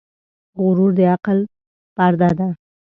غرور د عقل پرده ده .